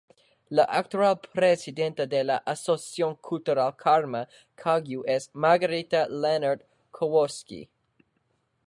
La actual presidenta de la Asociación Cultural Karma Kagyu es Margarita Lehnert-Kossowski.